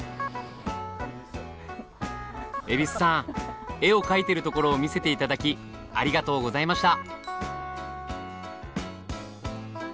蛭子さん絵を描いているところを見せて頂きありがとうございました。